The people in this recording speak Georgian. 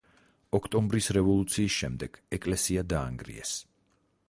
ოქტომბრის რევოლუციის შემდეგ ეკლესია დაანგრიეს.